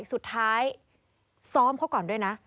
สุดท้ายซ้อมเขาก่อนด้วยนะ